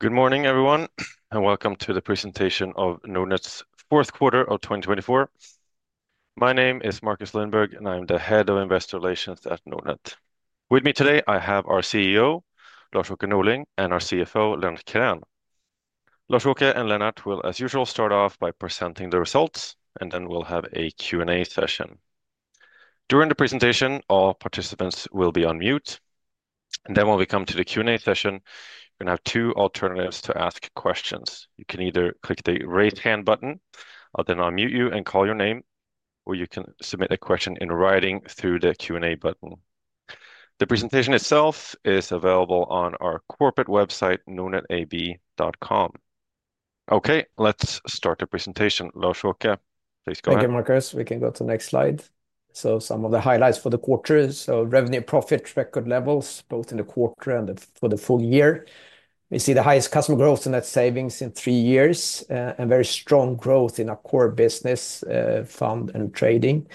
Good morning, everyone, and welcome to the presentation of Nordnet's fourth quarter of 2024. My name is Marcus Lindberg, and I'm the Head of Investor Relations at Nordnet. With me today, I have our CEO, Lars-Åke Norling, and our CFO, Lennart Krän. Lars-Åke and Lennart will, as usual, start off by presenting the results, and then we'll have a Q&A session. During the presentation, all participants will be on mute, and then when we come to the Q&A session, you're going to have two alternatives to ask questions. You can either click the raise hand button, I'll then unmute you and call your name, or you can submit a question in writing through the Q&A button. The presentation itself is available on our corporate website, nordnetab.com. Okay, let's start the presentation. Lars-Åke, please go ahead. Thank you, Marcus. We can go to the next slide. So some of the highlights for the quarter: revenue, profit record levels, both in the quarter and for the full year. We see the highest customer growth in net savings in three years, and very strong growth in our core business, fund, and trading,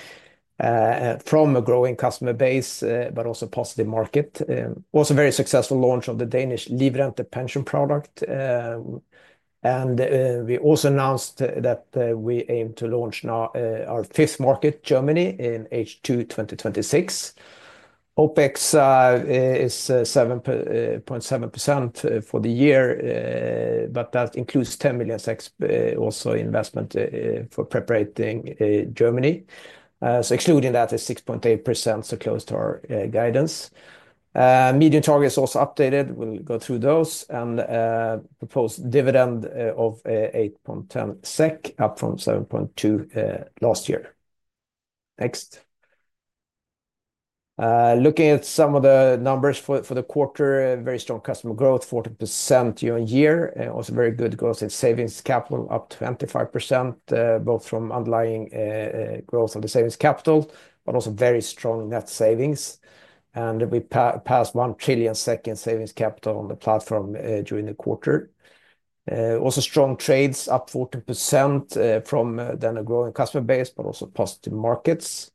from a growing customer base, but also positive market. Also a very successful launch of the Danish livrente pension product. And we also announced that we aim to launch now our fifth market, Germany, in H2 2026. OPEX is 7.7% for the year, but that includes 10 million SEK also in investment for preparations for Germany. So excluding that is 6.8%, so close to our guidance. Medium-term targets also updated. We'll go through those and propose dividend of 8.10 SEK, up from 7.2 SEK last year. Next. Looking at some of the numbers for the quarter, very strong customer growth, 40% year on year. Also very good growth in savings capital, up 25%, both from underlying growth of the savings capital, but also very strong net savings, and we passed 1 trillion SEK in savings capital on the platform during the quarter. Also strong trades, up 40% from the growing customer base, but also positive markets.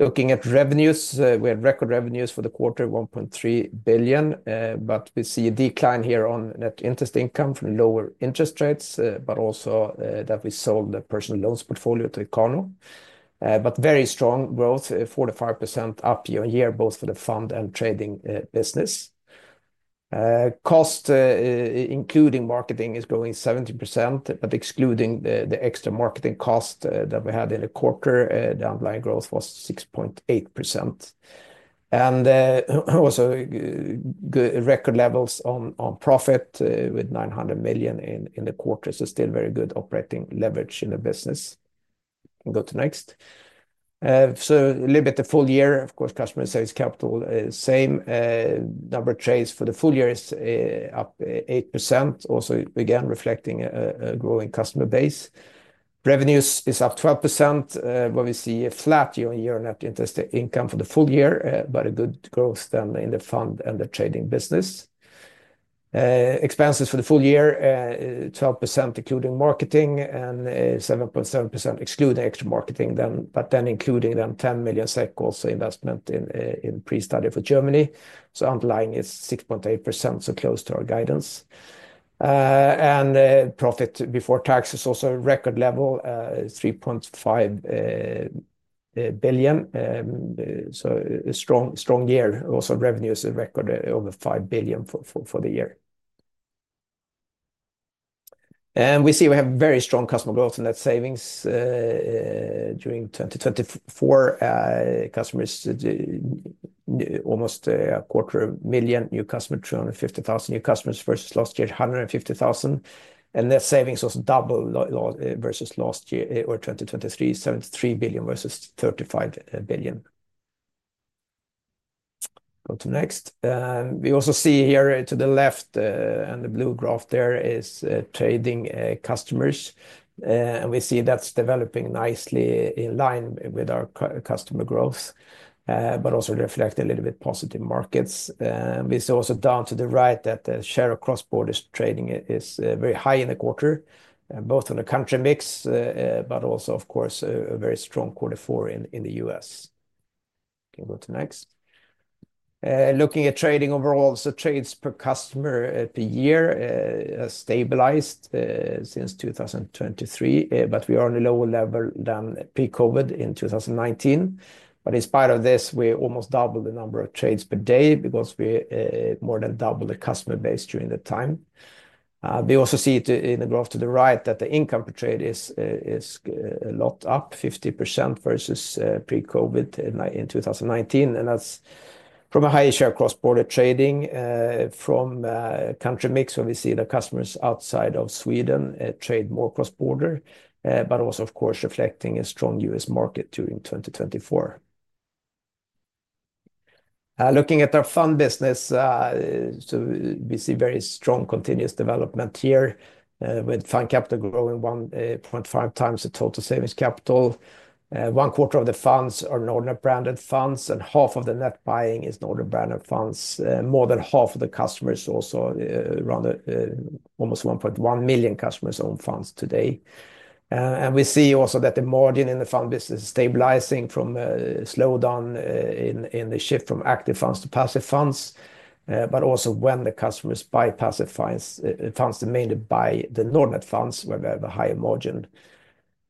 Looking at revenues, we had record revenues for the quarter, 1.3 billion SEK, but we see a decline here on net interest income from lower interest rates, but also that we sold the personal loans portfolio to Ikano, but very strong growth, 45% up year on year, both for the fund and trading business. Cost, including marketing, is growing 17%, but excluding the extra marketing cost that we had in the quarter, the underlying growth was 6.8%. Also good record levels on profit with 900 million in the quarter, so still very good operating leverage in the business. We can go to next. So a little bit of full year, of course, customer savings capital is same. Number of trades for the full year is up 8%, also again reflecting a growing customer base. Revenues is up 12%, but we see a flat year on year net interest income for the full year, but a good growth then in the fund and the trading business. Expenses for the full year, 12% including marketing and 7.7% excluding extra marketing, but then including then 10 million SEK also investment in pre-study for Germany. So underlying is 6.8%, so close to our guidance. And profit before tax is also a record level, 3.5 billion. So a strong year, also revenues are record over 5 billion for the year. We see we have very strong customer growth in net savings during 2024. Customers almost a quarter of million new customers, 250,000 new customers versus last year 150,000. Net savings also doubled versus last year or 2023, 73 billion versus 35 billion. Go to next. We also see here to the left and the blue graph there is trading customers. We see that's developing nicely in line with our customer growth, but also reflecting a little bit positive markets. We see also down to the right that the share of cross-border trading is very high in the quarter, both on the country mix, but also of course a very strong quarter four in the U.S. We can go to next. Looking at trading overall, so trades per customer per year stabilized since 2023, but we are on a lower level than pre-COVID in 2019. But in spite of this, we almost doubled the number of trades per day because we more than doubled the customer base during that time. We also see it in the graph to the right that the income per trade is a lot up, 50% versus pre-COVID in 2019. And that's from a higher share of cross-border trading from country mix, where we see the customers outside of Sweden trade more cross-border, but also of course reflecting a strong US market during 2024. Looking at our fund business, so we see very strong continuous development here with fund capital growing 1.5 times the total savings capital. One quarter of the funds are Nordnet branded funds and half of the net buying is Nordnet branded funds. More than half of the customers also run almost 1.1 million customers own funds today. We see also that the margin in the fund business is stabilizing from slowdown in the shift from active funds to passive funds, but also when the customers buy passive funds, they mainly buy the Nordnet funds where they have a higher margin.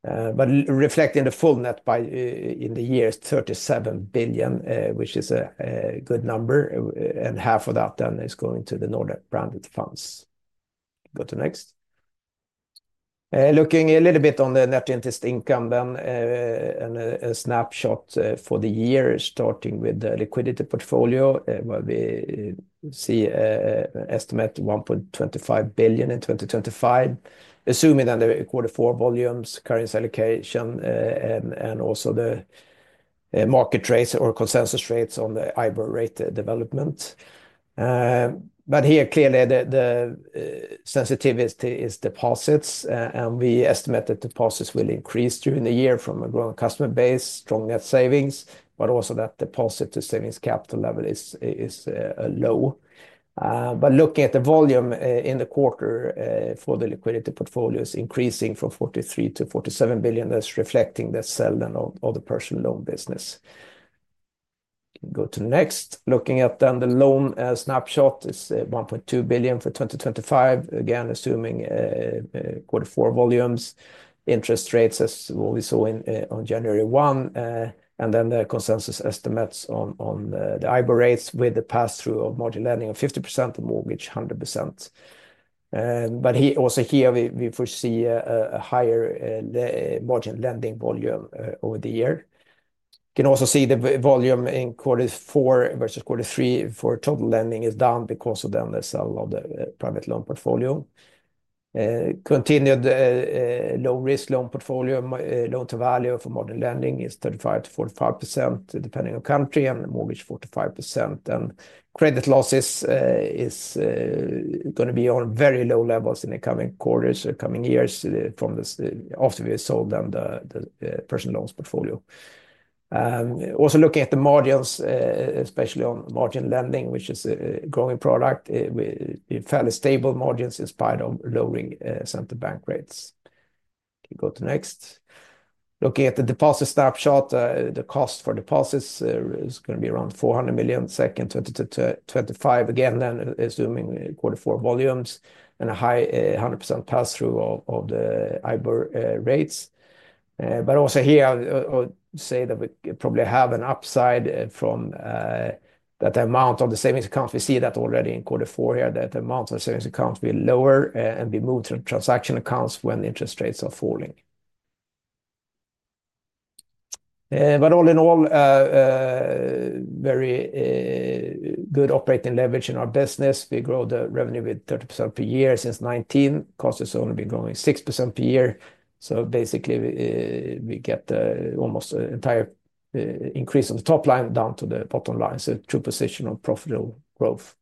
Reflecting the full net buy in the year is 37 billion SEK, which is a good number, and half of that then is going to the Nordnet branded funds. Go to next. Looking a little bit on the net interest income then and a snapshot for the year starting with the liquidity portfolio, where we see an estimate of 1.25 billion SEK in 2025, assuming then the quarter four volumes, current allocation, and also the market rates or consensus rates on the IBOR rate development. But here clearly the sensitivity is deposits, and we estimate that deposits will increase during the year from a growing customer base, strong net savings, but also that deposit to savings capital level is low. But looking at the volume in the quarter for the liquidity portfolio is increasing from 43 billion SEK to 47 billion SEK, that's reflecting the selling of the personal loan business. Go to next. Looking at then the loan snapshot is 1.2 billion SEK for 2025, again assuming quarter four volumes, interest rates as what we saw on January 1, and then the consensus estimates on the IBOR rates with the pass-through of margin lending of 50%, the mortgage 100%. But also here we foresee a higher margin lending volume over the year. You can also see the volume in quarter four versus quarter three for total lending is down because of the sale of the private loan portfolio. Continued low-risk loan portfolio, loan-to-value for margin lending is 35%-45% depending on country and mortgage 45%, and credit losses is going to be on very low levels in the coming quarters or coming years from after we have sold the personal loans portfolio. Also looking at the margins, especially on margin lending, which is a growing product, we have fairly stable margins in spite of lowering central bank rates. Go to next. Looking at the deposit snapshot, the cost for deposits is going to be around 400 million in 2025, again the assuming quarter four volumes and a high 100% pass-through of the IBOR rates. But also here, I would say that we probably have an upside from that amount of the savings accounts. We see that already in quarter four here, that amount of savings accounts will lower and be moved to transaction accounts when interest rates are falling. But all in all, very good operating leverage in our business. We grow the revenue with 30% per year since 2019. Cost has only been growing 6% per year. So basically we get almost an entire increase on the top line down to the bottom line. So true position of profitable growth.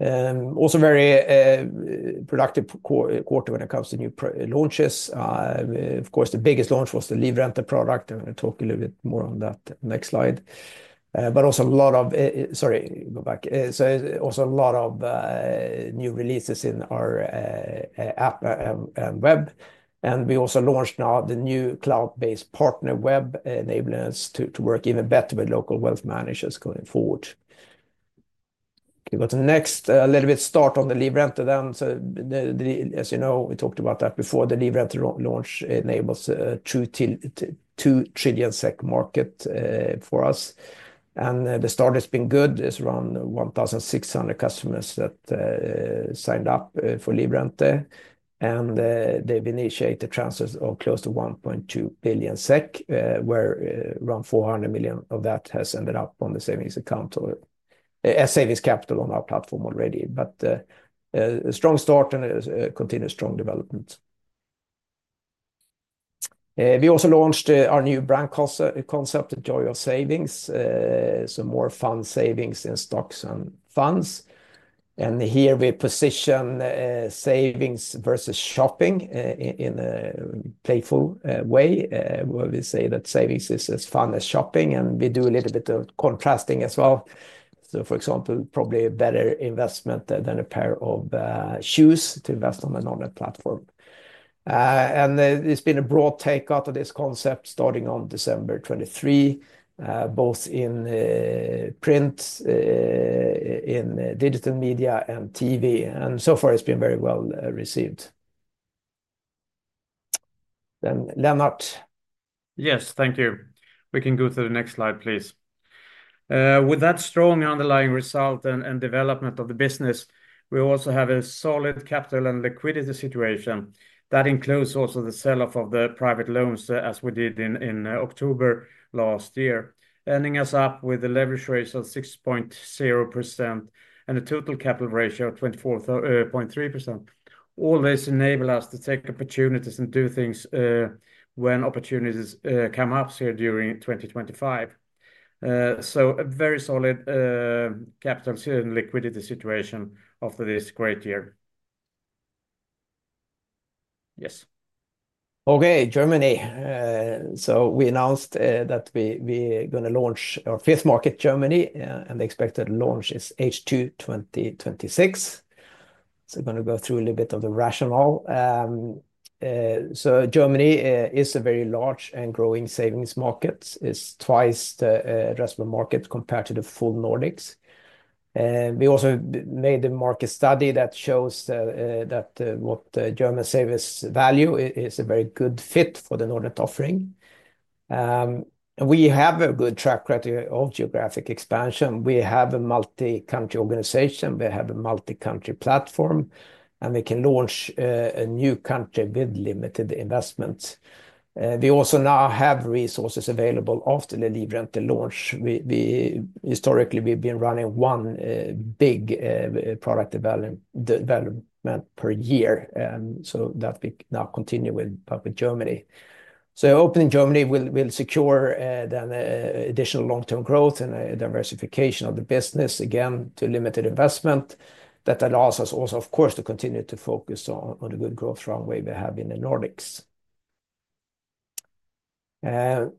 Also very productive quarter when it comes to new launches. Of course, the biggest launch was the Livrente product. I'm going to talk a little bit more on that next slide. But also a lot of, sorry, go back. So also a lot of new releases in our app and web. We also launched now the new cloud-based partner web enabling us to work even better with local wealth managers going forward. Go to next. A little bit start on the Livrente then. So as you know, we talked about that before. The Livrente launch enables a true 2 trillion SEK market for us. The start has been good. It's around 1,600 customers that signed up for Livrente. They've initiated transfers of close to 1.2 billion SEK, where around 400 million of that has ended up on the savings account or as savings capital on our platform already. A strong start and a continued strong development. We also launched our new brand concept, Joy of Savings. More fun savings in stocks and funds. Here we position savings versus shopping in a playful way, where we say that savings is as fun as shopping. We do a little bit of contrasting as well. So for example, probably a better investment than a pair of shoes to invest on the Nordnet platform. There's been a broad take-up of this concept starting on December 23, 2023, both in print, in digital media, and TV. So far it's been very well received. Then Lennart. Yes, thank you. We can go to the next slide, please. With that strong underlying result and development of the business, we also have a solid capital and liquidity situation that includes also the sell-off of the private loans as we did in October last year, ending us up with a leverage ratio of 6.0% and a total capital ratio of 24.3%. All this enables us to take opportunities and do things when opportunities come up here during 2025. So a very solid capital and liquidity situation after this great year. Yes. Okay, Germany, so we announced that we're going to launch our fifth market, Germany, and the expected launch is H2 2026, so I'm going to go through a little bit of the rationale, so Germany is a very large and growing savings market. It's twice the rest of the market compared to the full Nordics. We also made the market study that shows that what German savings value is a very good fit for the Nordnet offering. We have a good track record of geographic expansion. We have a multi-country organization. We have a multi-country platform, and we can launch a new country with limited investments. We also now have resources available after the Livrente launch. Historically, we've been running one big product development per year so that we now continue with Germany. Opening Germany will secure additional long-term growth and diversification of the business with limited investment. That allows us also, of course, to continue to focus on the good growth runway we have in the Nordics. The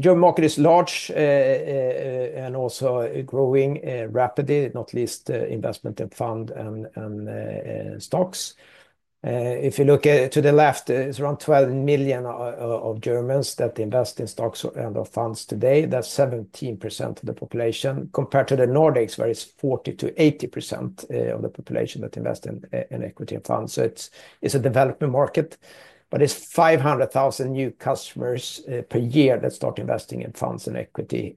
German market is large and also growing rapidly, not least in investments in funds and stocks. If you look to the left, it's around 12 million Germans that invest in stocks and/or funds today. That's 17% of the population compared to the Nordics, where it's 40%-80% of the population that invest in equity and funds. It's a developing market, but it's 500,000 new customers per year that start investing in funds and equity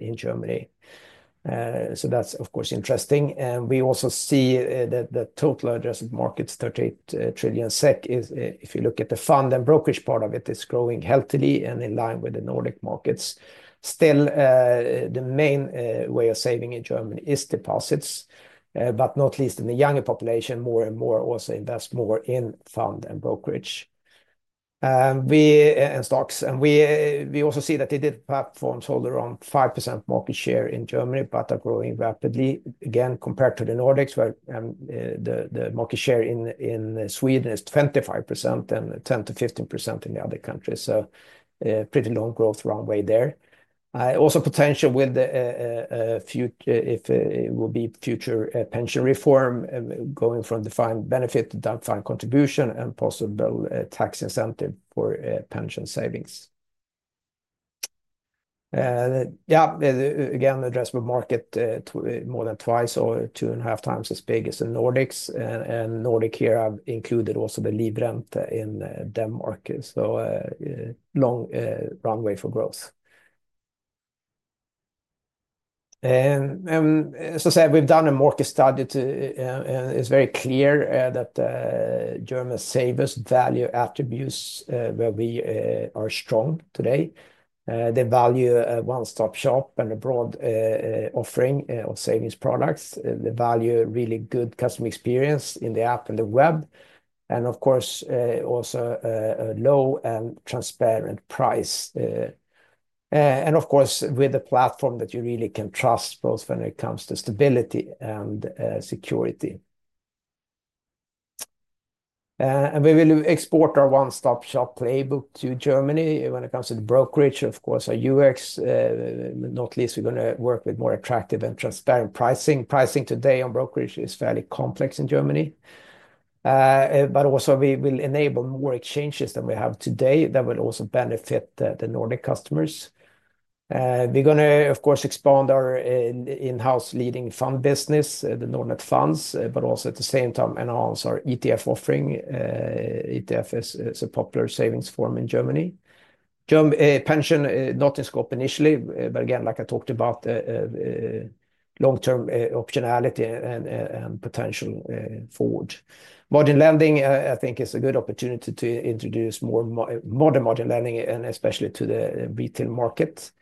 in Germany. That's, of course, interesting. We also see that the total addressed market is 38 trillion SEK. If you look at the fund and brokerage part of it, it's growing healthily and in line with the Nordic markets. Still, the main way of saving in Germany is deposits, but not least in the younger population, more and more also invest more in fund and brokerage and stocks, and we also see that the digital platforms hold around 5% market share in Germany, but are growing rapidly again compared to the Nordics, where the market share in Sweden is 25% and 10%-15% in the other countries, so pretty long growth runway there. Also potential with the future if it will be future pension reform going from defined benefit to defined contribution and possible tax incentive for pension savings. Yeah, again, addressable market more than twice or two and a half times as big as the Nordics, and Nordic here have included also the livrente in Denmark. So long runway for growth. And as I said, we've done a market study too, and it's very clear that German savers value attributes where we are strong today. They value a one-stop shop and a broad offering of savings products. They value really good customer experience in the app and the web. And of course, also a low and transparent price. And of course, with a platform that you really can trust both when it comes to stability and security. And we will export our one-stop shop playbook to Germany when it comes to the brokerage. Of course, our UX, not least, we're going to work with more attractive and transparent pricing. Pricing today on brokerage is fairly complex in Germany. But also we will enable more exchanges than we have today that will also benefit the Nordic customers. We're going to, of course, expand our in-house leading fund business, the Nordnet funds, but also at the same time enhance our ETF offering. ETF is a popular savings form in Germany. Pension not in scope initially, but again, like I talked about, long-term optionality and potential forward. Modern lending, I think, is a good opportunity to introduce more modern lending and especially to the retail market.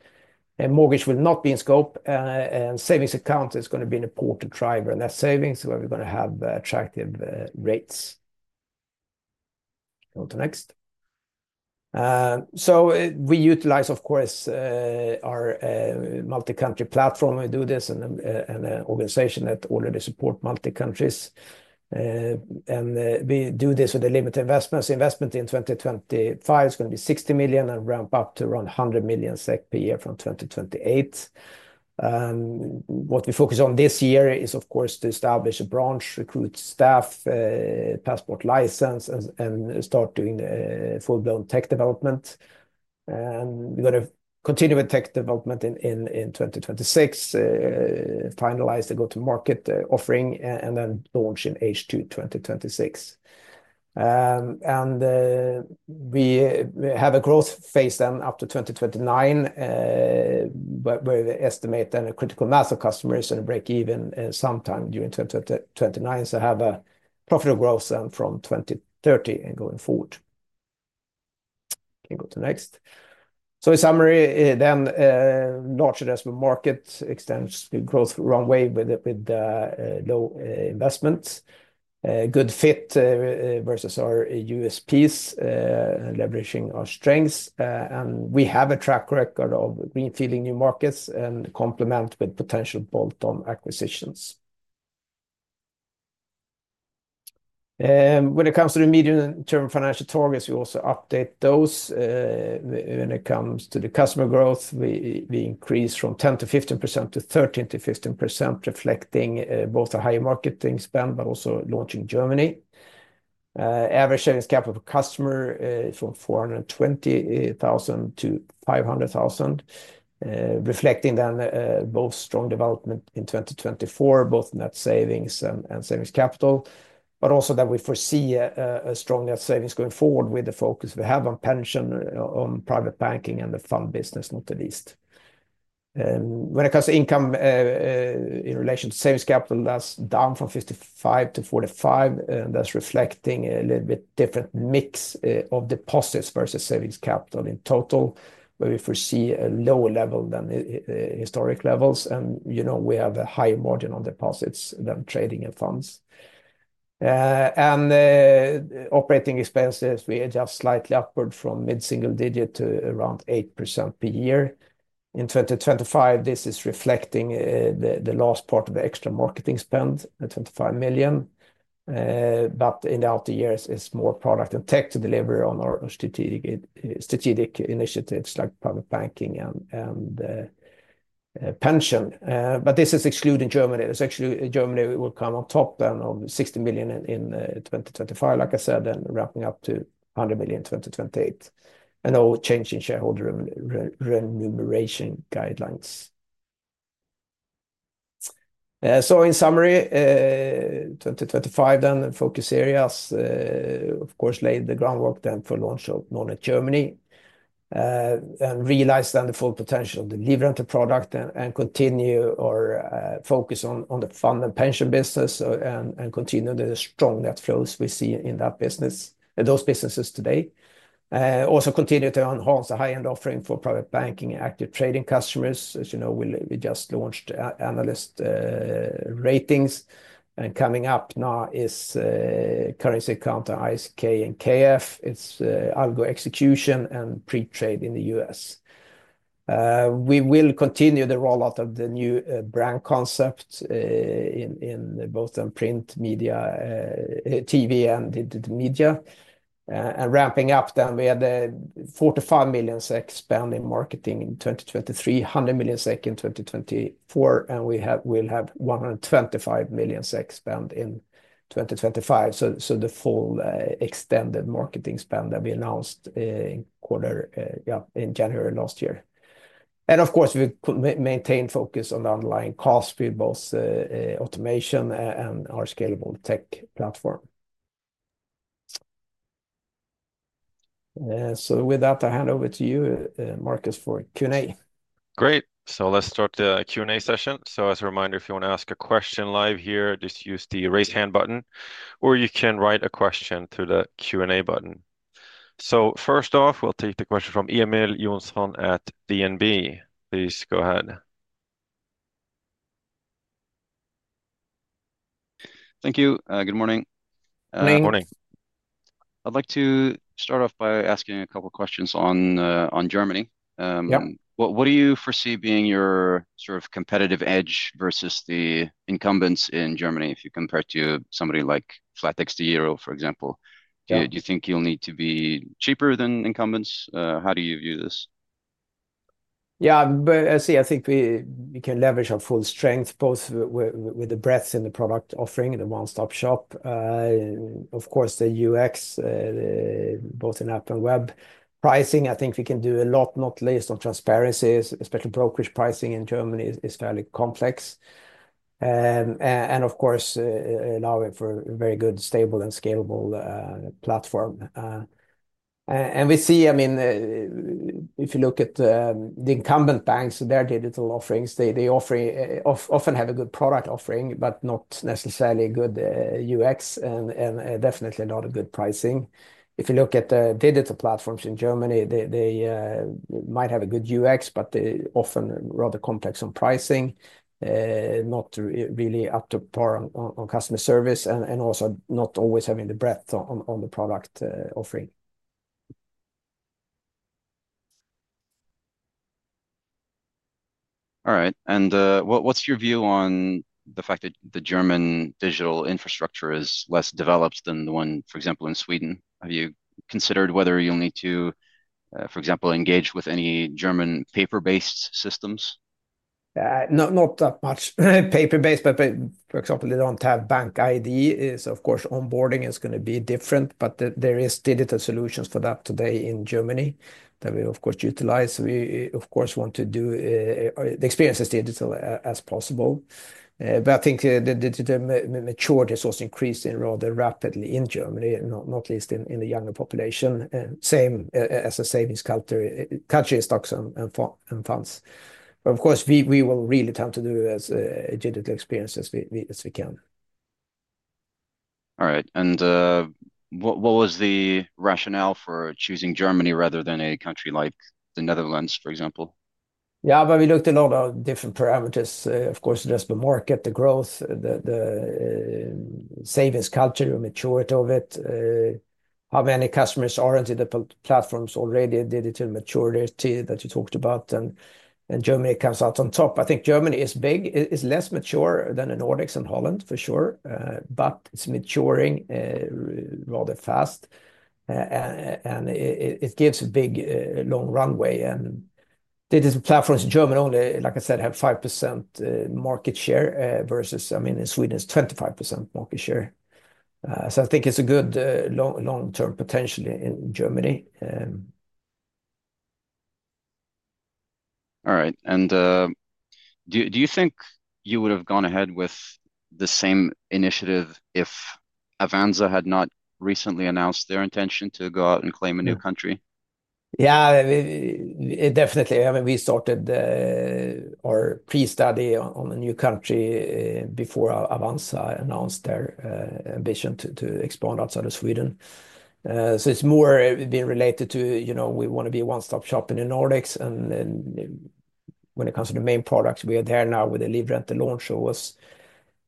Mortgage will not be in scope, and savings account is going to be an important driver in that savings where we're going to have attractive rates. Go to next. We utilize, of course, our multi-country platform. We do this in an organization that already supports multi-countries. We do this with a limited investment. Investment in 2025 is going to be 60 million and ramp up to around 100 million SEK per year from 2028. What we focus on this year is, of course, to establish a branch, recruit staff, passporting license, and start doing full-blown tech development. And we're going to continue with tech development in 2026, finalize the go-to-market offering, and then launch in H2 2026. And we have a growth phase then after 2029, where we estimate then a critical mass of customers and break even sometime during 2029. So have a profitable growth then from 2030 and going forward. Can go to next. So in summary, then large addressable market extends to growth runway with low investments, good fit versus our USPs, leveraging our strengths. And we have a track record of greenfielding new markets and complement with potential bolt-on acquisitions. When it comes to the medium-term financial targets, we also update those. When it comes to the customer growth, we increase from 10%-15% to 13%-15%, reflecting both a higher marketing spend, but also launching Germany. Average savings capital per customer from 420,000-500,000, reflecting then both strong development in 2024, both net savings and savings capital, but also that we foresee a strong net savings going forward with the focus we have on pension, on private banking, and the fund business, not the least. When it comes to income in relation to savings capital, that's down from 55-45, and that's reflecting a little bit different mix of deposits versus savings capital in total, where we foresee a lower level than historic levels. And you know we have a higher margin on deposits than trading and funds. And operating expenses, we adjust slightly upward from mid-single digit to around 8% per year. In 2025, this is reflecting the last part of the extra marketing spend, 25 million. But in the outer years, it's more product and tech to deliver on our strategic initiatives like private banking and pension. But this is excluding Germany. It's actually Germany will come on top then of 60 million in 2025, like I said, and wrapping up to 100 million in 2028 and all changing shareholder remuneration guidelines. So in summary, 2025 then focus areas, of course, laid the groundwork then for launch of Nordnet Germany and realize then the full potential of the livrente product and continue our focus on the fund and pension business and continue the strong net flows we see in that business, those businesses today. Also continue to enhance the high-end offering for private banking and active trading customers. As you know, we just launched analyst ratings and coming up now is currency account ISK and KF. It's algo execution and pre-trade in the U.S. We will continue the rollout of the new brand concept in both print media, TV, and digital media. And ramping up then we had 45 million SEK spend in marketing in 2023, 100 million SEK in 2024, and we will have 125 million SEK spend in 2025. So the full extended marketing spend that we announced in quarter, yeah, in January last year. And of course, we maintain focus on the underlying cost, both automation and our scalable tech platform. So with that, I hand over to you, Marcus, for Q&A. Great. So let's start the Q&A session. So as a reminder, if you want to ask a question live here, just use the raise hand button, or you can write a question to the Q&A button. So first off, we'll take the question from Emil Jonsson at DNB. Please go ahead. Thank you. Good morning. Good morning. I'd like to start off by asking a couple of questions on Germany. What do you foresee being your sort of competitive edge versus the incumbents in Germany if you compare it to somebody like flatexDEGIRO, for example? Do you think you'll need to be cheaper than incumbents? How do you view this? Yeah, I see. I think we can leverage our full strength both with the breadth in the product offering and the one-stop shop. Of course, the UX both in app and web pricing. I think we can do a lot, not least on transparency, especially brokerage pricing in Germany is fairly complex. And of course, allowing for a very good, stable, and scalable platform. And we see, I mean, if you look at the incumbent banks, their digital offerings, they often have a good product offering, but not necessarily good UX and definitely not a good pricing. If you look at the digital platforms in Germany, they might have a good UX, but they often are rather complex on pricing, not really up to par on customer service and also not always having the breadth on the product offering. All right. And what's your view on the fact that the German digital infrastructure is less developed than the one, for example, in Sweden? Have you considered whether you'll need to, for example, engage with any German paper-based systems? Not that much paper-based, but for example, they don't have BankID. So of course, onboarding is going to be different, but there are digital solutions for that today in Germany that we, of course, utilize. We, of course, want to do the experience as digital as possible. But I think the digital maturity is also increasing rather rapidly in Germany, not least in the younger population, same as a savings country in stocks and funds. But of course, we will really tend to do as digital an experience as we can. All right. And what was the rationale for choosing Germany rather than a country like the Netherlands, for example? Yeah, but we looked at a lot of different parameters. Of course, there's the market, the growth, the savings culture, the maturity of it, how many customers are into the platforms already, digital maturity that you talked about, and Germany comes out on top. I think Germany is big. It's less mature than the Nordics and Holland, for sure, but it's maturing rather fast. And it gives a big long runway. And digital platforms in Germany only, like I said, have 5% market share versus, I mean, in Sweden, it's 25% market share. So I think it's a good long-term potential in Germany. All right. And do you think you would have gone ahead with the same initiative if Avanza had not recently announced their intention to go out and claim a new country? Yeah, definitely. I mean, we started our pre-study on a new country before Avanza announced their ambition to expand outside of Sweden. So it's more been related to, you know, we want to be a one-stop shop in the Nordics. And when it comes to the main products we are there now with the Livrente launch shows us.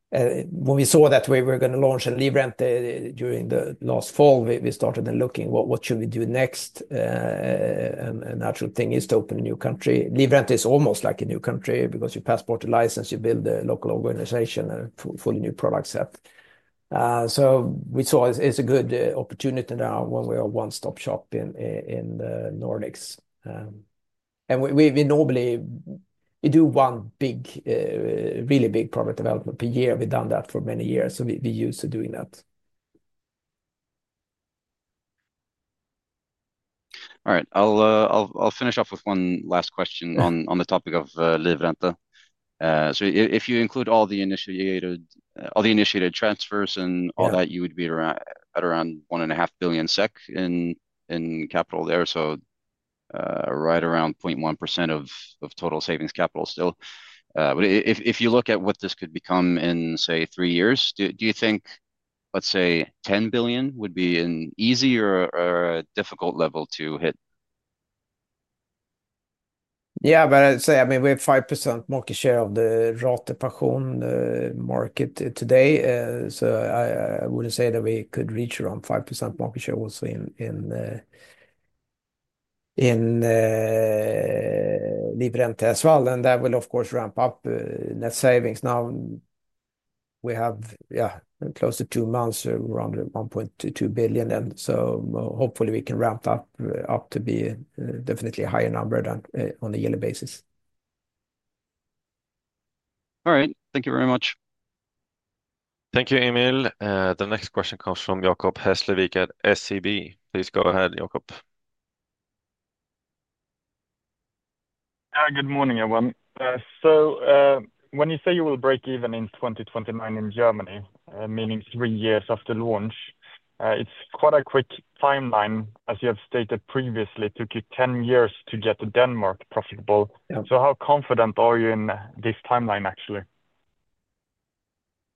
When we saw that we were going to launch a Livrente during the last fall, we started then looking at what should we do next. And a natural thing is to open a new country. Livrente is almost like a new country because you passport a license, you build a local organization, and fully new products have. So we saw it's a good opportunity now when we are a one-stop shop in the Nordics. And we normally, we do one big, really big product development per year. We've done that for many years. So we're used to doing that. All right. I'll finish off with one last question on the topic of livrente. So if you include all the initiated transfers and all that, you would be at around 1.5 billion SEK in capital there. So right around 0.1% of total savings capital still. But if you look at what this could become in, say, three years, do you think, let's say, 10 billion would be an easy or a difficult level to hit? Yeah, but I'd say, I mean, we have 5% market share of the retail pension market today. So I wouldn't say that we could reach around 5% market share also in Livrente. As well, and that will, of course, ramp up net savings. Now we have, yeah, close to two months, we're under 1.2 billion SEK then. So hopefully we can ramp up to be definitely a higher number than on a yearly basis. All right. Thank you very much. Thank you, Emil. The next question comes from Jakob Hässlevik at SEB. Please go ahead, Jakob. Good morning, everyone. So when you say you will break even in 2029 in Germany, meaning three years after launch, it's quite a quick timeline. As you have stated previously, it took you 10 years to get to Denmark profitable. So how confident are you in this timeline, actually?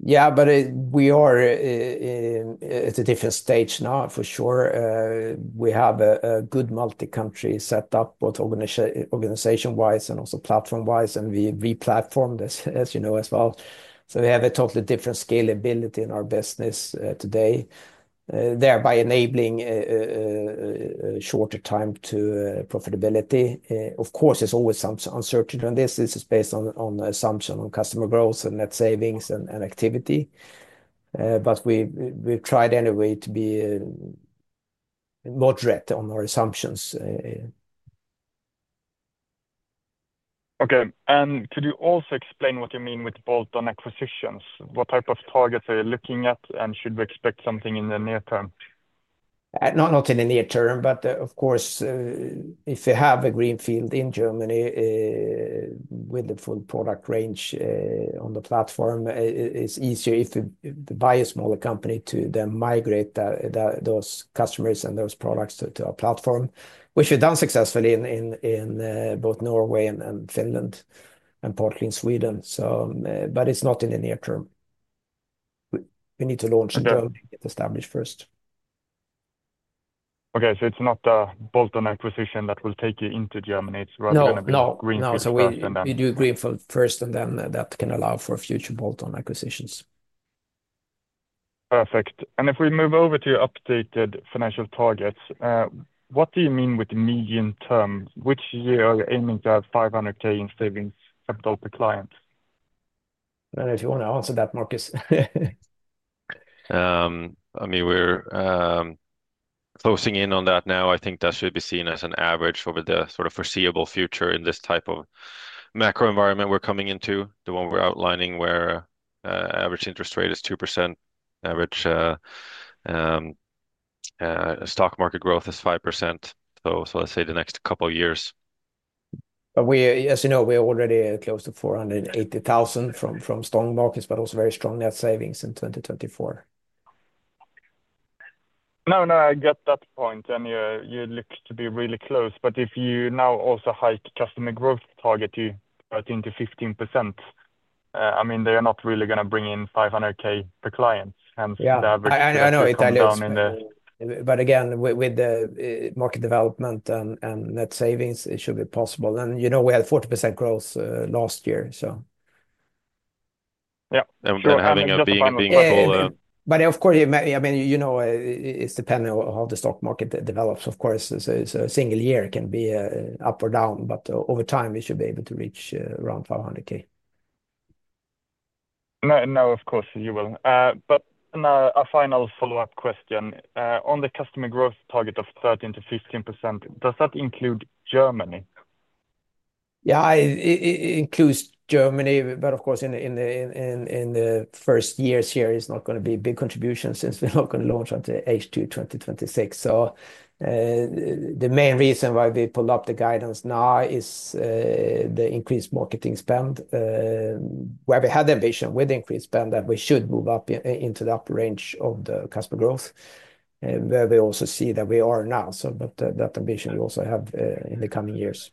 Yeah, but we are at a different stage now, for sure. We have a good multi-country setup both organization-wise and also platform-wise, and we re-platform this, as you know, as well. So we have a totally different scalability in our business today, thereby enabling shorter time to profitability. Of course, there's always some uncertainty on this. This is based on assumption on customer growth and net savings and activity. But we've tried anyway to be moderate on our assumptions. Okay. And could you also explain what you mean with bolt-on acquisitions? What type of targets are you looking at, and should we expect something in the near term? Not in the near term, but of course, if you have a greenfield in Germany with the full product range on the platform, it's easier if you buy a smaller company to then migrate those customers and those products to our platform, which we've done successfully in both Norway and Finland and partly in Sweden. But it's not in the near term. We need to launch and get established first. Okay. So it's not a bolt-on acquisition that will take you into Germany. It's rather going to be greenfield first and then. No. We do greenfield first, and then that can allow for future bolt-on acquisitions. Perfect. And if we move over to your updated financial targets, what do you mean with the medium term? Which year are you aiming to have 500K in savings capital per client? I don't know if you want to answer that, Marcus. I mean, we're closing in on that now. I think that should be seen as an average over the sort of foreseeable future in this type of macro environment we're coming into, the one we're outlining where average interest rate is 2%, average stock market growth is 5%. So let's say the next couple of years. As you know, we're already close to 480,000 from strong markets, but also very strong net savings in 2024. No, no, I get that point. And you look to be really close. But if you now also hike customer growth target to 13%-15%, I mean, they are not really going to bring in 500K per client. Yeah, I know it. But again, with the market development and net savings, it should be possible. And you know we had 40% growth last year, so. Yeah, and having a being a whole. But of course, I mean, you know it's dependent on how the stock market develops. Of course, a single year can be up or down, but over time, we should be able to reach around 500K. No, of course you will, but a final follow-up question. On the customer growth target of 13%-15%, does that include Germany? Yeah, it includes Germany, but of course, in the first year here, it's not going to be a big contribution since we're not going to launch until H2 2026. So the main reason why we pull up the guidance now is the increased marketing spend, where we had ambition with the increased spend that we should move up into the upper range of the customer growth, where we also see that we are now. So that ambition we also have in the coming years.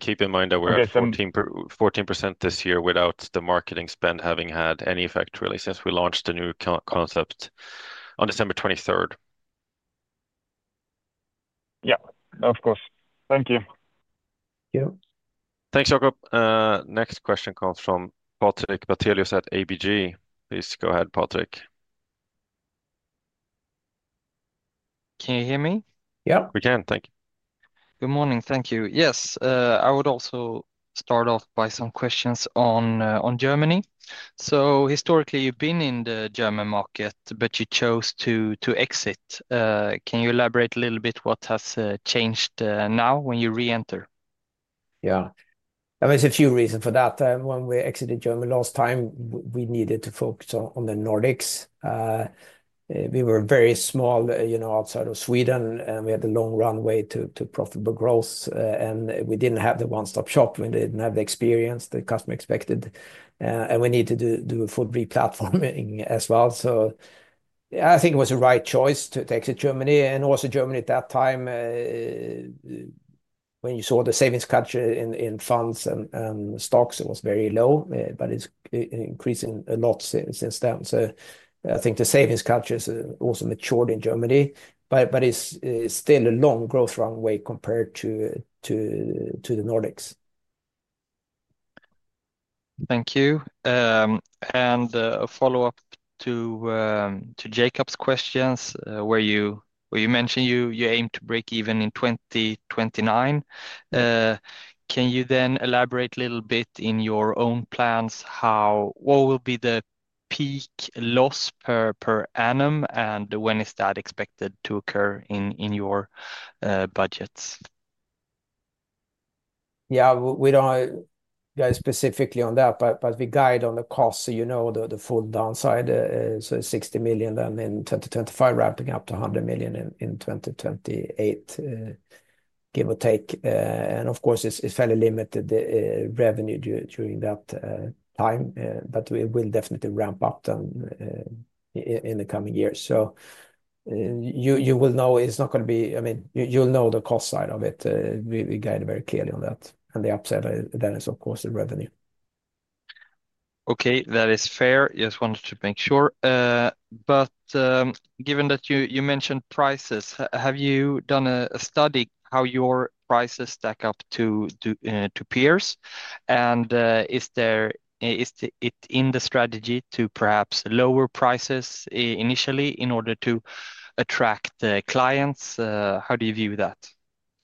Keep in mind that we're at 14% this year without the marketing spend having had any effect really since we launched the new concept on December 23rd. Yeah, of course. Thank you. Thank you. Thanks, Jakob. Next question comes from Patrik Brattelius at ABG. Please go ahead, Patrik. Can you hear me? Yeah. We can. Thank you. Good morning. Thank you. Yes, I would also start off by some questions on Germany. So historically, you've been in the German market, but you chose to exit. Can you elaborate a little bit what has changed now when you re-enter? Yeah. There's a few reasons for that. When we exited Germany last time, we needed to focus on the Nordics. We were very small outside of Sweden, and we had a long runway to profitable growth, and we didn't have the one-stop shop. We didn't have the experience the customer expected, and we needed to do a full re-platforming as well, so I think it was the right choice to exit Germany, and also Germany at that time, when you saw the savings culture in funds and stocks, it was very low, but it's increasing a lot since then, so I think the savings culture has also matured in Germany, but it's still a long growth runway compared to the Nordics. Thank you. And a follow-up to Jacob's questions where you mentioned you aim to break even in 2029. Can you then elaborate a little bit in your own plans? What will be the peak loss per annum, and when is that expected to occur in your budgets? Yeah, we don't go specifically on that, but we guide on the cost, so you know the full downside, so 60 million SEK then in 2025, ramping up to 100 million SEK in 2028, give or take, and of course, it's fairly limited revenue during that time, but we will definitely ramp up in the coming years, so you will know it's not going to be, I mean, you'll know the cost side of it. We guide very clearly on that, and the upside then is, of course, the revenue. Okay, that is fair. Just wanted to make sure. But given that you mentioned prices, have you done a study how your prices stack up to peers? And is there in the strategy to perhaps lower prices initially in order to attract clients? How do you view that?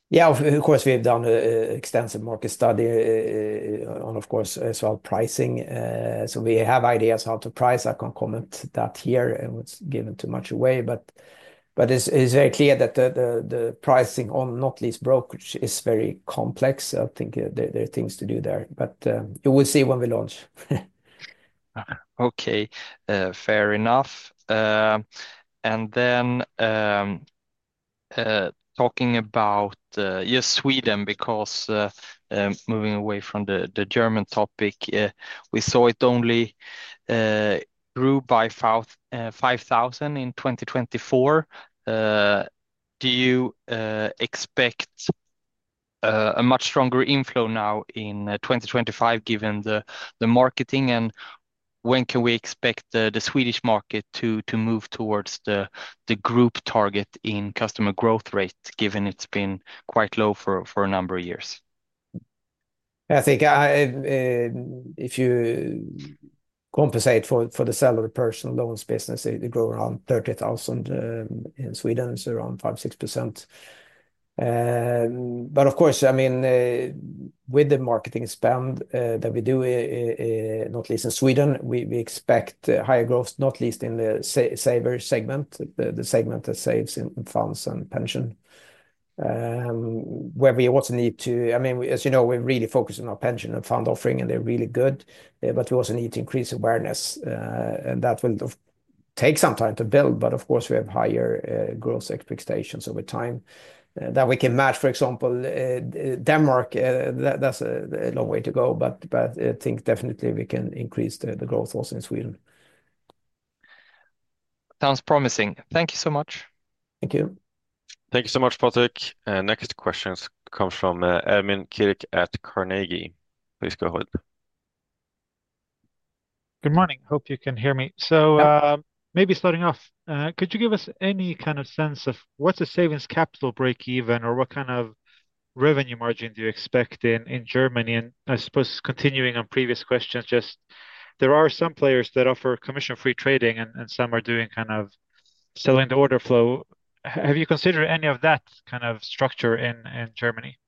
Yeah, of course, we've done an extensive market study on, of course, as well as pricing. So we have ideas how to price. I can't comment on that here. It would give too much away. But it's very clear that the pricing on, not least, brokerage is very complex. I think there are things to do there, but we'll see when we launch. Okay, fair enough. And then talking about Sweden, because moving away from the German topic, we saw it only grew by 5,000 in 2024. Do you expect a much stronger inflow now in 2025 given the marketing? And when can we expect the Swedish market to move towards the group target in customer growth rate, given it's been quite low for a number of years? I think if you compensate for the sale of personal loans business, they grow around 30,000 in Sweden, so around 5-6%. But of course, I mean, with the marketing spend that we do, not least in Sweden, we expect higher growth, not least in the saver segment, the segment that saves in funds and pension. Where we also need to, I mean, as you know, we really focus on our pension and fund offering, and they're really good, but we also need to increase awareness, and that will take some time to build. But of course, we have higher growth expectations over time that we can match. For example, Denmark, that's a long way to go. But I think definitely we can increase the growth also in Sweden. Sounds promising. Thank you so much. Thank you. Thank you so much, Patrick. Next question comes from Ermin Keric at Carnegie. Please go ahead. Good morning. Hope you can hear me. So maybe starting off, could you give us any kind of sense of what's the savings capital breakeven or what kind of revenue margin do you expect in Germany? And I suppose continuing on previous questions, just there are some players that offer commission-free trading and some are doing kind of selling the order flow. Have you considered any of that kind of structure in Germany?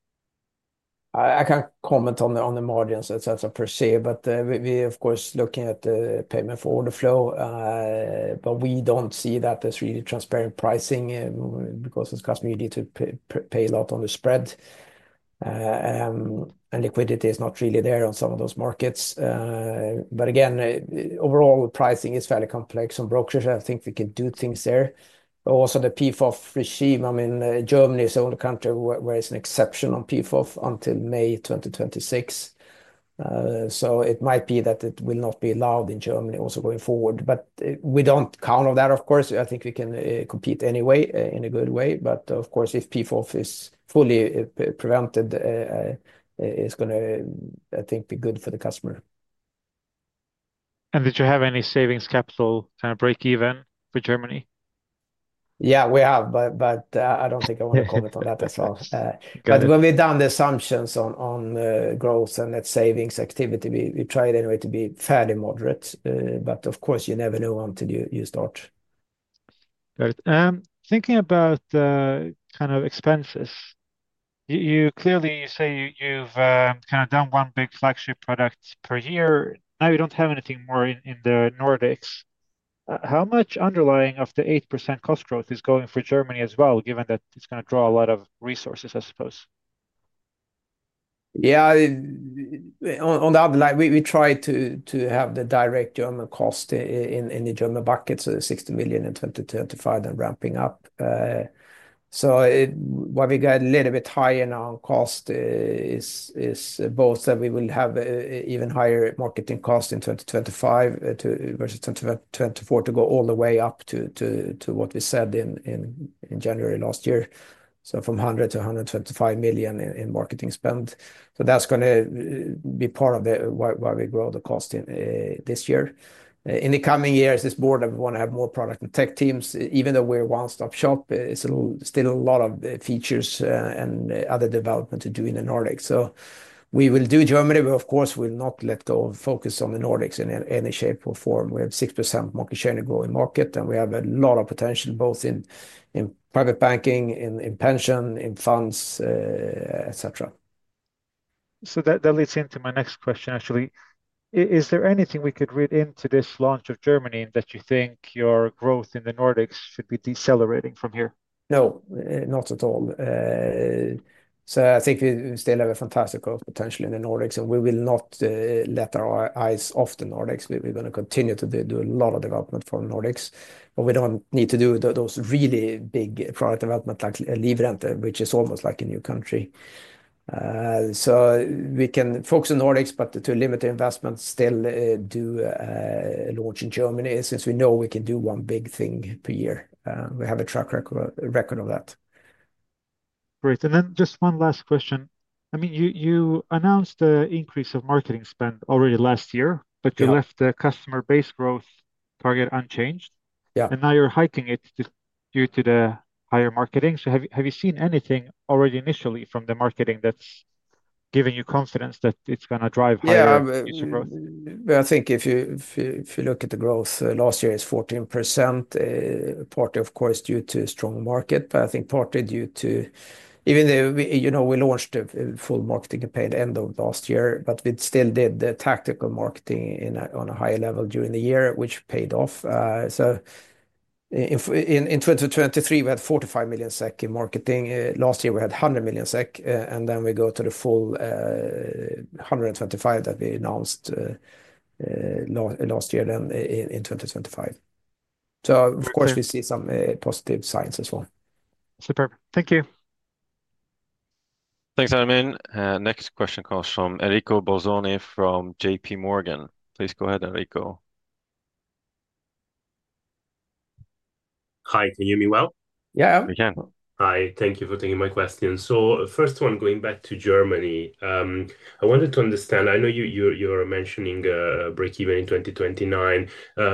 I can't comment on the margins as I perceive, but we, of course, looking at the payment for order flow, but we don't see that as really transparent pricing because as customers, you need to pay a lot on the spread, and liquidity is not really there on some of those markets, but again, overall pricing is fairly complex on brokerage. I think we can do things there. Also, the PFOF regime, I mean, Germany is the only country where it's an exception on PFOF until May 2026, so it might be that it will not be allowed in Germany also going forward, but we don't count on that, of course. I think we can compete anyway in a good way, but of course, if PFOF is fully prevented, it's going to, I think, be good for the customer. Did you have any savings capital kind of break even for Germany? Yeah, we have, but I don't think I want to comment on that as well. But when we've done the assumptions on growth and net savings activity, we try anyway to be fairly moderate. But of course, you never know until you start. Got it. Thinking about kind of expenses, you clearly say you've kind of done one big flagship product per year. Now you don't have anything more in the Nordics. How much underlying of the 8% cost growth is going for Germany as well, given that it's going to draw a lot of resources, I suppose? Yeah. On the other hand, we try to have the direct German costs in the German bucket, so 60 million SEK in 2025 and ramping up. So what we got a little bit higher now on costs is both that we will have even higher marketing costs in 2025 versus 2024 to go all the way up to what we said in January last year. So from 100 to 125 million SEK in marketing spend. So that's going to be part of why we grow the costs this year. In the coming years, it's board that we want to have more product and tech teams. Even though we're a one-stop shop, it's still a lot of features and other development to do in the Nordics. So we will do Germany, but of course, we'll not let go of focus on the Nordics in any shape or form. We have 6% market share in the growing market, and we have a lot of potential both in private banking, in pension, in funds, etc. So that leads into my next question, actually. Is there anything we could read into this launch of Germany that you think your growth in the Nordics should be decelerating from here? No, not at all, so I think we still have a fantastic growth potential in the Nordics, and we will not take our eyes off the Nordics. We're going to continue to do a lot of development for the Nordics, but we don't need to do those really big product development like Livrente, which is almost like a new country, so we can focus on Nordics, but to limit the investment, still do a launch in Germany since we know we can do one big thing per year. We have a track record of that. Great. And then just one last question. I mean, you announced the increase of marketing spend already last year, but you left the customer base growth target unchanged. And now you're hiking it due to the higher marketing. So have you seen anything already initially from the marketing that's given you confidence that it's going to drive higher marketing growth? Yeah, I think if you look at the growth, last year is 14%, partly, of course, due to strong market, but I think partly due to even though we launched a full marketing campaign at the end of last year, but we still did tactical marketing on a higher level during the year, which paid off. So in 2023, we had 45 million SEK in marketing. Last year, we had 100 million SEK, and then we go to the full 125 that we announced last year then in 2025. So of course, we see some positive signs as well. Superb. Thank you. Thanks, Ermin. Next question comes from Enrico Bolzoni from JPMorgan. Please go ahead, Enrico. Hi, can you hear me well? Yeah, we can. Hi, thank you for taking my question. So first one, going back to Germany, I wanted to understand. I know you're mentioning a break even in 2029.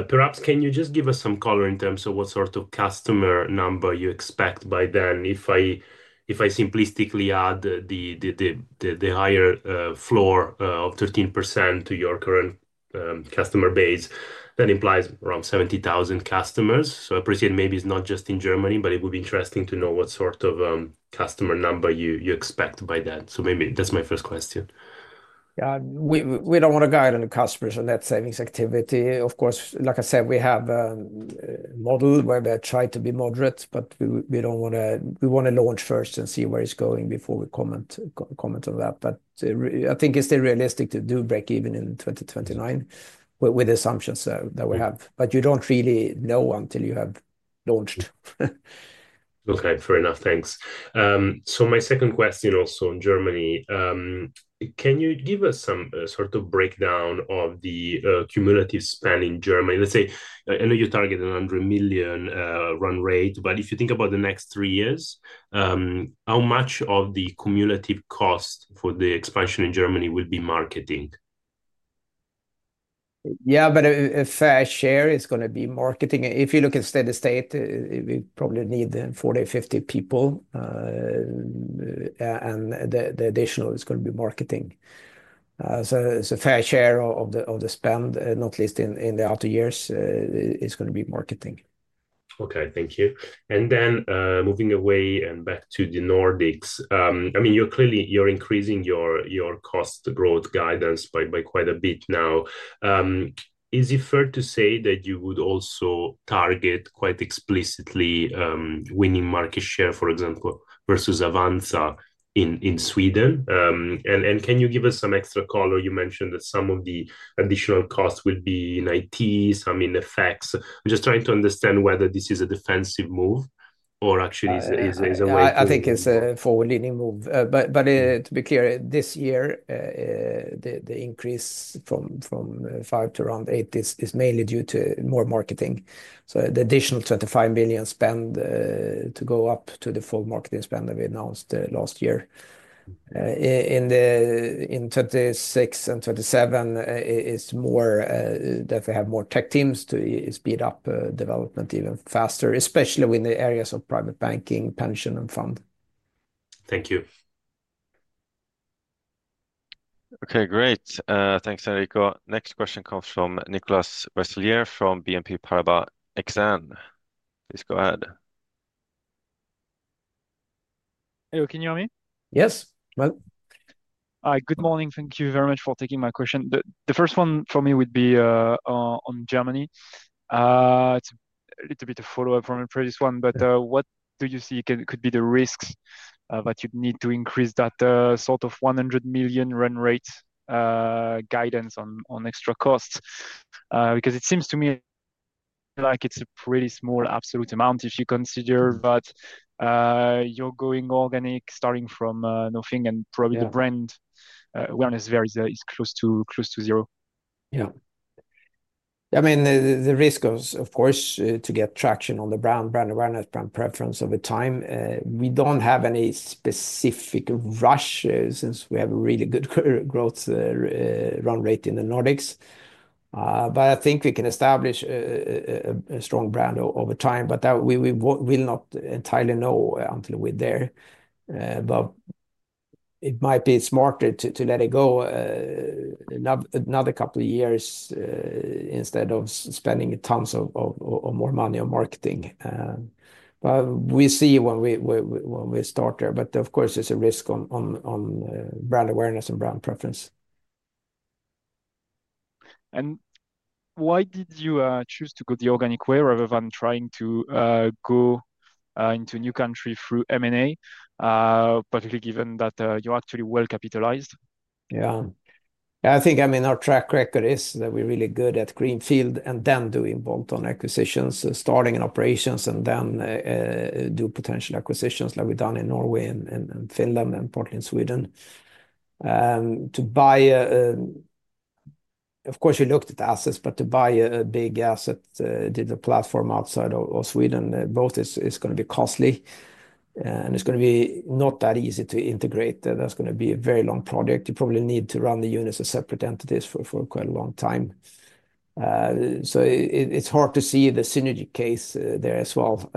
Perhaps can you just give us some color in terms of what sort of customer number you expect by then? If I simplistically add the higher floor of 13% to your current customer base, that implies around 70,000 customers. So I appreciate maybe it's not just in Germany, but it would be interesting to know what sort of customer number you expect by then. So maybe that's my first question. Yeah, we don't want to guide on the customers and that savings activity. Of course, like I said, we have a model where we try to be moderate, but we want to launch first and see where it's going before we comment on that. But I think it's still realistic to do break even in 2029 with the assumptions that we have. But you don't really know until you have launched. Okay, fair enough. Thanks. So my second question, also in Germany, can you give us some sort of breakdown of the cumulative spend in Germany? Let's say I know you targeted 100 million SEK run rate, but if you think about the next three years, how much of the cumulative cost for the expansion in Germany will be marketing? Yeah, but a fair share is going to be marketing. If you look at state to state, we probably need 40-50 people, and the additional is going to be marketing. So a fair share of the spend, not least in the outer years, is going to be marketing. Okay, thank you. And then moving away and back to the Nordics, I mean, you're clearly increasing your cost growth guidance by quite a bit now. Is it fair to say that you would also target quite explicitly winning market share, for example, versus Avanza in Sweden? And can you give us some extra color? You mentioned that some of the additional costs will be in IT, some in effects. I'm just trying to understand whether this is a defensive move or actually is a way to. I think it's a forward-leaning move. But to be clear, this year, the increase from 5 million to around 8 million is mainly due to more marketing. So the additional 25 million spend to go up to the full marketing spend that we announced last year in 2026 and 2027 is more that we have more tech teams to speed up development even faster, especially in the areas of private banking, pension, and fund. Thank you. Okay, great. Thanks, Enrico. Next question comes from Nicolas Ressler from BNP Paribas Exane. Please go ahead. Hello, can you hear me? Yes. Well. Hi, good morning. Thank you very much for taking my question. The first one for me would be on Germany. It's a little bit of a follow-up from the previous one, but what do you see could be the risks that you'd need to increase that sort of 100 million run rate guidance on extra costs? Because it seems to me like it's a pretty small absolute amount if you consider that you're going organic starting from nothing and probably the brand awareness is close to zero. Yeah. I mean, the risk of course to get traction on the brand awareness, brand preference over time. We don't have any specific rush since we have a really good growth run rate in the Nordics. But I think we can establish a strong brand over time, but we will not entirely know until we're there. But it might be smarter to let it go another couple of years instead of spending tons of more money on marketing. But we see when we start there. But of course, there's a risk on brand awareness and brand preference. Why did you choose to go the organic way rather than trying to go into a new country through M&A, particularly given that you're actually well capitalized? Yeah. I think, I mean, our track record is that we're really good at greenfield and then doing bolt-on acquisitions, starting in operations and then do potential acquisitions like we've done in Norway and Finland and partly in Sweden. Of course, we looked at assets, but to buy a big asset digital platform outside of Sweden, both is going to be costly and it's going to be not that easy to integrate. That's going to be a very long project. You probably need to run the units as separate entities for quite a long time. So it's hard to see the synergy case there as well.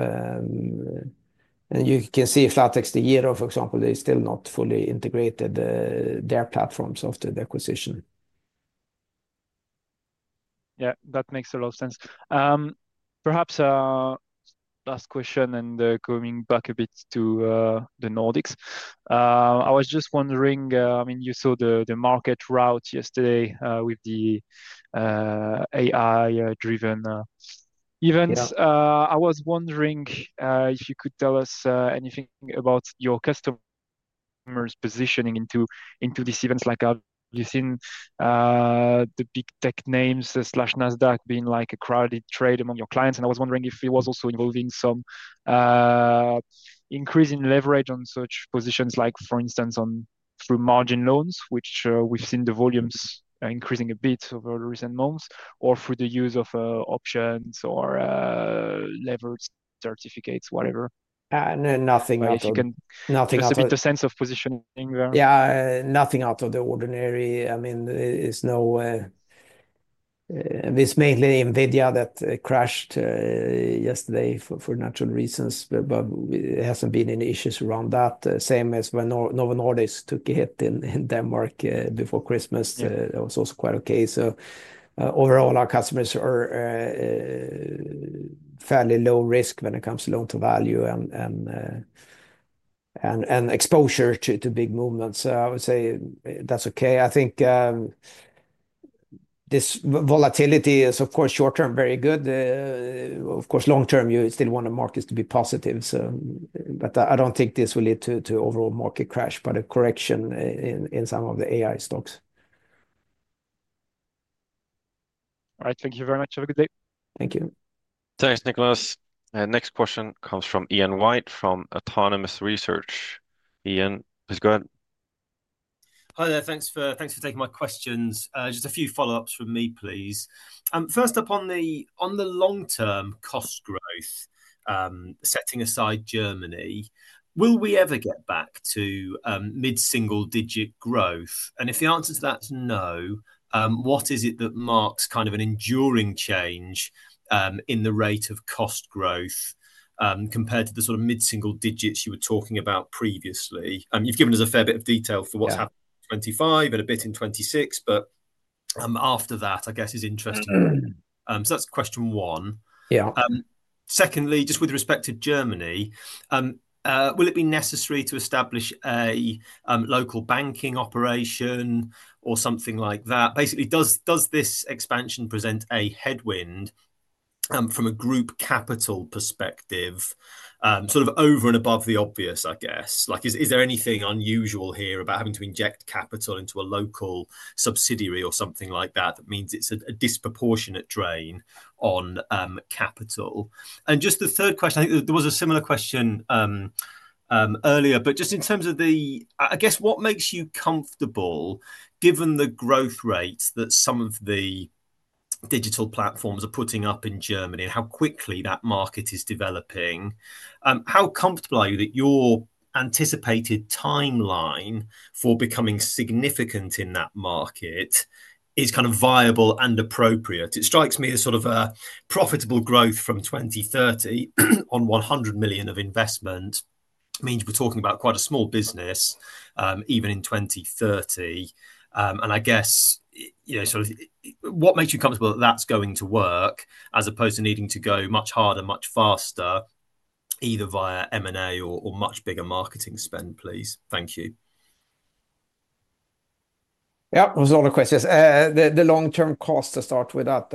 And you can see flatexDEGIRO, for example, they're still not fully integrated their platforms after the acquisition. Yeah, that makes a lot of sense. Perhaps last question and going back a bit to the Nordics. I was just wondering, I mean, you saw the market rout yesterday with the AI-driven events. I was wondering if you could tell us anything about your customers' positioning into these events, like have you seen the big tech names, NASDAQ being like a crowded trade among your clients? And I was wondering if it was also involving some increase in leverage on such positions, like for instance, through margin loans, which we've seen the volumes increasing a bit over recent months, or through the use of options or leverage certificates, whatever. Nothing out of. Nothing out of. Just a bit of sense of positioning there. Yeah. Nothing out of the ordinary. I mean, there's mainly NVIDIA that crashed yesterday for natural reasons, but there hasn't been any issues around that. Same as when Novo Nordisk took a hit in Denmark before Christmas. It was also quite okay. So overall, our customers are fairly low risk when it comes to loan-to-value and exposure to big movements. So I would say that's okay. I think this volatility is, of course, short-term, very good. Of course, long-term, you still want the markets to be positive. But I don't think this will lead to overall market crash, but a correction in some of the AI stocks. All right. Thank you very much. Have a good day. Thank you. Thanks, Nicolas. Next question comes from Ian White from Autonomous Research. Ian, please go ahead. Hi there. Thanks for taking my questions. Just a few follow-ups from me, please. First, on the long-term cost growth, setting aside Germany, will we ever get back to mid-single-digit growth? And if the answer to that's no, what is it that marks kind of an enduring change in the rate of cost growth compared to the sort of mid-single digits you were talking about previously? You've given us a fair bit of detail for what's happening in 2025 and a bit in 2026, but after that, I guess, is interesting. So that's question one. Secondly, just with respect to Germany, will it be necessary to establish a local banking operation or something like that? Basically, does this expansion present a headwind from a group capital perspective, sort of over and above the obvious, I guess? Is there anything unusual here about having to inject capital into a local subsidiary or something like that that means it's a disproportionate drain on capital? And just the third question, I think there was a similar question earlier, but just in terms of the, I guess, what makes you comfortable given the growth rates that some of the digital platforms are putting up in Germany and how quickly that market is developing? How comfortable are you that your anticipated timeline for becoming significant in that market is kind of viable and appropriate? It strikes me as sort of a profitable growth from 2030 on 100 million of investment means we're talking about quite a small business even in 2030. I guess sort of what makes you comfortable that that's going to work as opposed to needing to go much harder, much faster, either via M&A or much bigger marketing spend, please? Thank you. Yeah, those are all the questions. The long-term cost to start with that,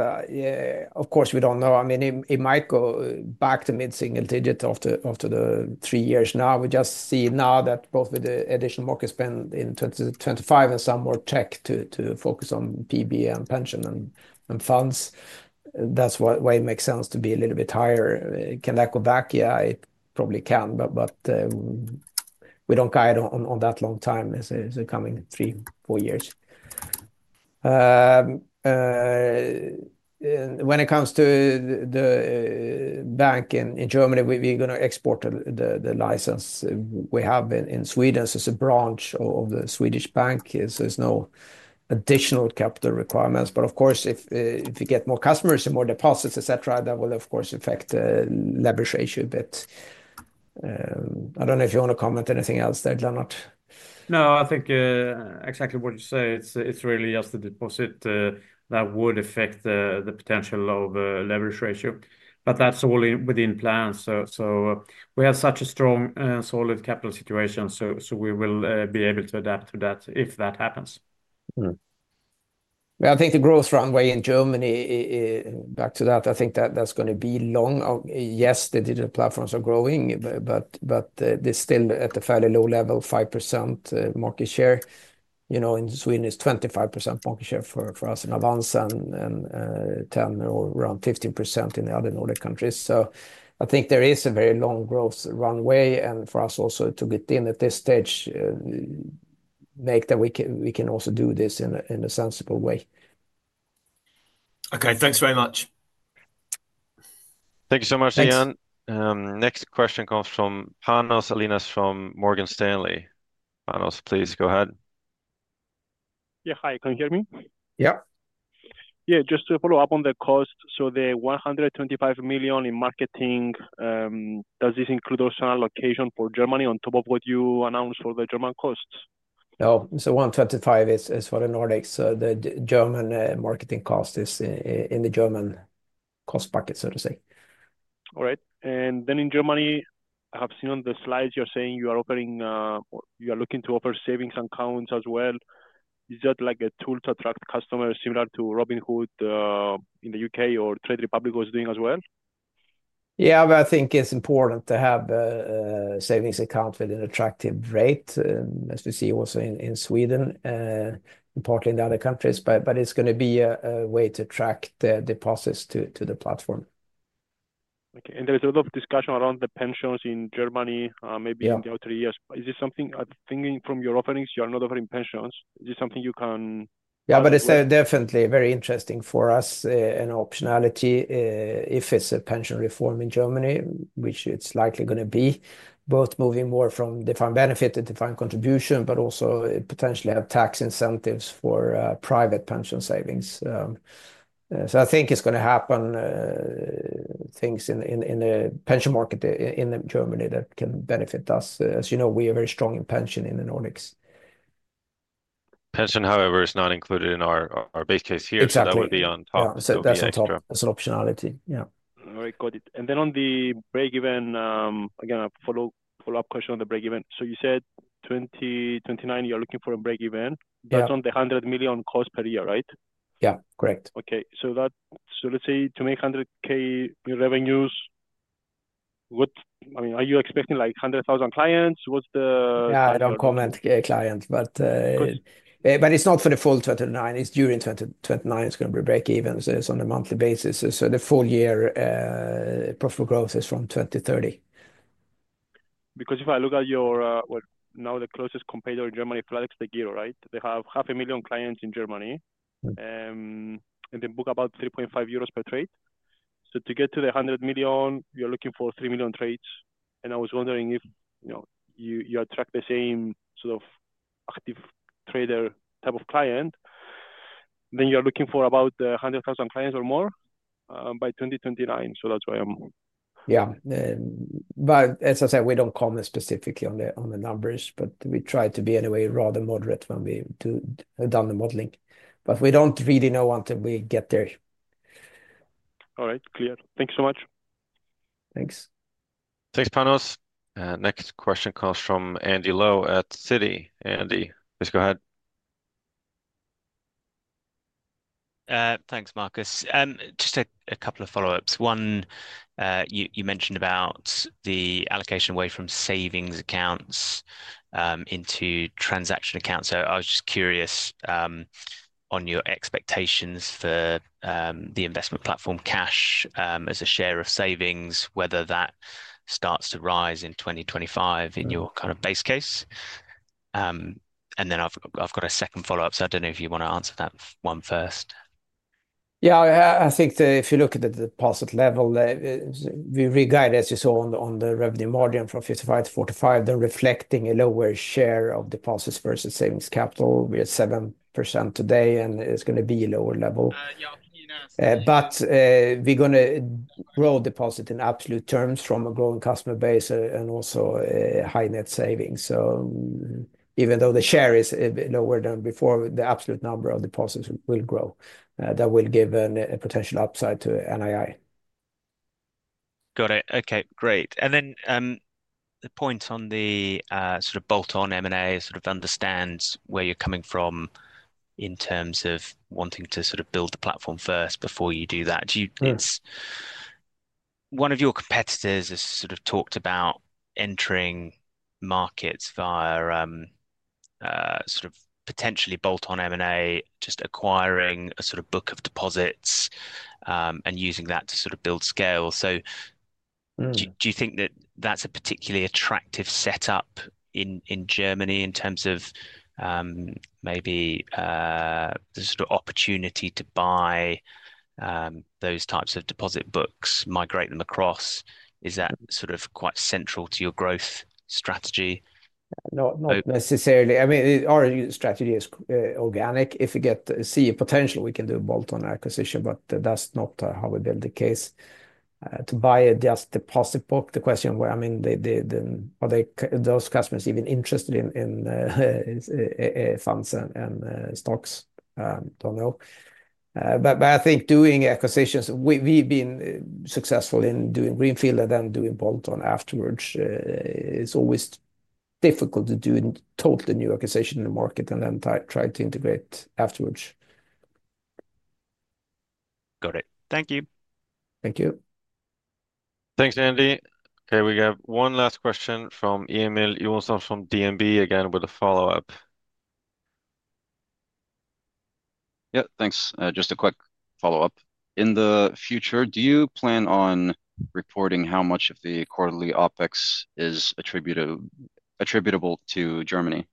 of course, we don't know. I mean, it might go back to mid-single digit after the three years now. We just see now that both with the additional market spend in 2025 and some more tech to focus on PB and pension and funds, that's why it makes sense to be a little bit higher. Can that go back? Yeah, it probably can, but we don't guide on that long time as the coming three, four years. When it comes to the bank in Germany, we're going to passport the license we have in Sweden. So it's a branch of the Swedish bank. So there's no additional capital requirements. But of course, if we get more customers and more deposits, etc., that will, of course, affect the leverage ratio a bit. I don't know if you want to comment anything else, and, Lennart. No, I think exactly what you say. It's really just the deposit that would affect the potential leverage ratio. But that's all within plan. So we have such a strong and solid capital situation. So we will be able to adapt to that if that happens. I think the growth runway in Germany, back to that, I think that's going to be long. Yes, the digital platforms are growing, but they're still at a fairly low level, 5% market share. In Sweden, it's 25% market share for us and Avanza and 10 or around 15% in the other Nordic countries. So I think there is a very long growth runway. And for us also to get in at this stage means that we can also do this in a sensible way. Okay, thanks very much. Thank you so much, Ian. Next question comes from Panos Ellinas from Morgan Stanley. Panos, please go ahead. Yeah, hi. Can you hear me? Yeah. Yeah, just to follow up on the cost. So the 125 million SEK in marketing, does this include also an allocation for Germany on top of what you announced for the German cost? Oh, so 125 is for the Nordics. So the German marketing cost is in the German cost packet, so to say. All right, and then in Germany, I have seen on the slides you're saying you are offering, you are looking to offer savings accounts as well. Is that like a tool to attract customers similar to Robinhood in the U.K. or Trade Republic was doing as well? Yeah, but I think it's important to have savings accounts with an attractive rate, as we see also in Sweden, and partly in the other countries, but it's going to be a way to attract deposits to the platform. Okay. And there's a lot of discussion around the pensions in Germany, maybe in the outer years. Is this something, thinking from your offerings, you are not offering pensions? Is this something you can? Yeah, but it's definitely very interesting for us an optionality if it's a pension reform in Germany, which it's likely going to be, both moving more from defined benefit to defined contribution, but also potentially have tax incentives for private pension savings. So I think it's going to happen things in the pension market in Germany that can benefit us. As you know, we are very strong in pension in the Nordics. Pension, however, is not included in our base case here. Exactly. So that would be on top. That's an optionality. Yeah. All right, got it. And then on the break-even, again, a follow-up question on the break-even. So you said 2029, you're looking for a break-even. That's on the 100 million cost per year, right? Yeah, correct. Okay. So let's say to make 100,000 revenues, I mean, are you expecting like 100,000 clients? What's the? Yeah, I don't comment clients, but it's not for the full 2029. It's during 2029. It's going to be break-even. So it's on a monthly basis. So the full year profit growth is from 2030. Because if I look at your, well, now the closest competitor in Germany, flatexDEGIRO, right? They have 500,000 clients in Germany and they book about 3.5 euros per trade. So to get to the 100 million, you're looking for 3 million trades. And I was wondering if you attract the same sort of active trader type of client, then you're looking for about 100,000 clients or more by 2029. So that's why I'm. Yeah. But as I said, we don't comment specifically on the numbers, but we try to be in a way rather moderate when we do the modeling. But we don't really know until we get there. All right. Clear. Thank you so much. Thanks. Thanks, Panos. And next question comes from Andy Lowe at Citi. Andy, please go ahead. Thanks, Marcus. Just a couple of follow-ups. One, you mentioned about the allocation away from savings accounts into transaction accounts. So I was just curious on your expectations for the investment platform Cash as a share of savings, whether that starts to rise in 2025 in your kind of base case. And then I've got a second follow-up, so I don't know if you want to answer that one first. Yeah, I think if you look at the deposit level, we re-guided, as you saw, on the revenue margin from 55-45 that reflect a lower share of deposits versus savings capital. We're at 7% today, and it's going to be a lower level. But we're going to grow deposits in absolute terms from a growing customer base and also high net savings. So even though the share is lower than before, the absolute number of deposits will grow. That will give a potential upside to NII. Got it. Okay, great. And then the point on the sort of bolt-on M&A sort of understands where you're coming from in terms of wanting to sort of build the platform first before you do that. One of your competitors has sort of talked about entering markets via sort of potentially bolt-on M&A, just acquiring a sort of book of deposits and using that to sort of build scale. So do you think that that's a particularly attractive setup in Germany in terms of maybe the sort of opportunity to buy those types of deposit books, migrate them across? Is that sort of quite central to your growth strategy? Not necessarily. I mean, our strategy is organic. If we see a potential, we can do a bolt-on acquisition, but that's not how we build the case. To buy just the deposit book, the question where, I mean, are those customers even interested in funds and stocks? Don't know. But I think doing acquisitions, we've been successful in doing Greenfield and then doing bolt-on afterwards. It's always difficult to do totally new acquisition in the market and then try to integrate afterwards. Got it. Thank you. Thank you. Thanks, Andy. Okay, we have one last question from Ian White. You also have from DNB again with a follow-up. Yeah. Thanks. Just a quick follow-up. In the future, do you plan on reporting how much of the quarterly OPEX is attributable to Germany?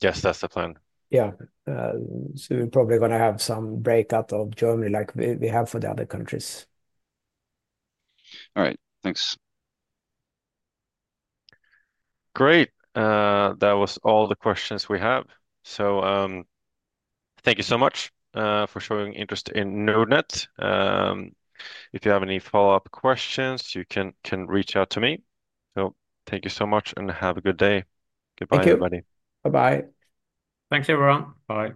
Yes, that's the plan. Yeah. So we're probably going to have some breakout of Germany like we have for the other countries. All right. Thanks. Great. That was all the questions we have. So thank you so much for showing interest in Nordnet. If you have any follow-up questions, you can reach out to me. So thank you so much and have a good day. Goodbye, everybody. Thank you. Bye-bye. Thanks, everyone. Bye.